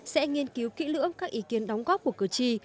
sẽ nghiên cứu kỹ lưỡng các ý kiến đóng góp của cử tri